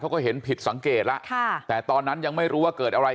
เขาก็เห็นผิดสังเกตแล้วค่ะแต่ตอนนั้นยังไม่รู้ว่าเกิดอะไร